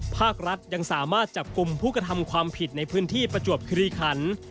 ภาครัฐยังสามารถจับกลุ่มผู้กระทำความผิดในพื้นที่ประจวบคิริขัน